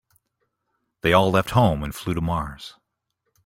They all left home and flew to Mars.